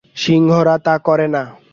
সিংহরা তা করে না।